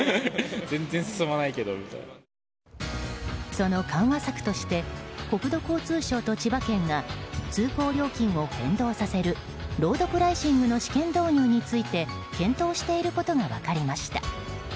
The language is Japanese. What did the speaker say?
その緩和策として国土交通省と千葉県が通行料金を変動させるロードプライシングの試験導入について検討していることが分かりました。